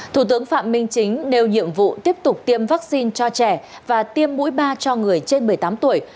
thủ tướng phạm minh chính đều nhiệm vụ tiếp tục tiêm vaccine cho trẻ và tiêm mũi ba cho người trên một mươi tám tuổi